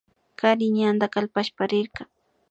Kari ñanda kalpashpa rirka